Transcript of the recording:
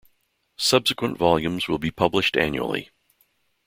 Subsequent volumes will be published annually.